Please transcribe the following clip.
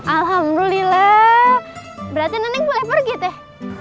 alhamdulillah berarti neneng boleh pergi teh